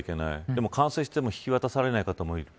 でも完成しても引き渡されない方もいる。